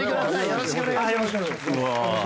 よろしくお願いします。